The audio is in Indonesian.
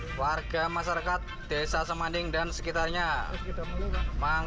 pemutaran film layar tancap berkeliling desa sebanju mas raya